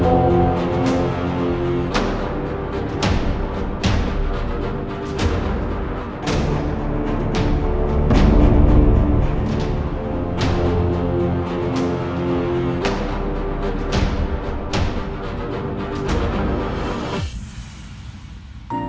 terima kasih pak